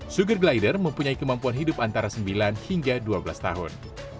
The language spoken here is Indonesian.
sugar glider mempunyai kemampuan hidup antara sembilan hingga dua belas tahun